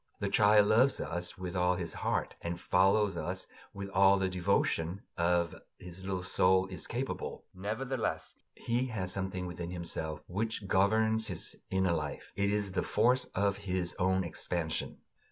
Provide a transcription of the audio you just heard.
The child loves us with all his heart and follows us with all the devotion of which his little soul is capable; nevertheless he has something within himself which governs his inner life: it is the force of his own expansion.